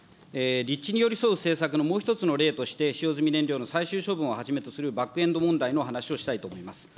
立地に寄り添う政策のもう一つの例として使用済み燃料の最終処分をはじめとするバックエンド問題の話をしたいと思います。